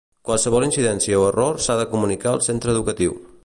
Qualsevol incidència o error s'ha de comunicar al centre educatiu.